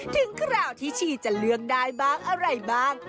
คราวที่ชีจะเลือกได้บ้างอะไรบ้าง